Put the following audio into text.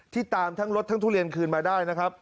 ตามทั้งรถทั้งทุเรียนคืนมาได้นะครับ